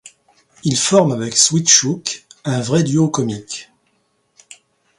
Il forme avec Sweetchuck un vrai duo comique.